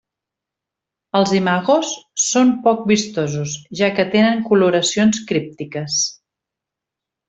Els imagos són poc vistosos, ja que tenen coloracions críptiques.